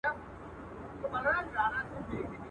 هغه مینه مړه سوه چي مي هیله نڅېده ورته.